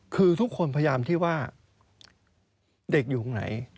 คือทุกคนพยายามที่ว่าเด็กอยู่ตรงไหน